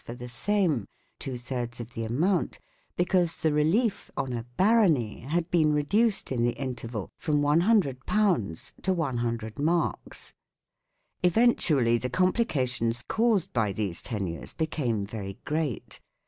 for the same (two thirds of the amount), because the relief on a " barony " had been reduced, in the interval, from 100 to 100 marcs. Eventually the complications caused by these tenures became very great.